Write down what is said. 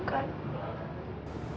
saya mau bicara sama ibu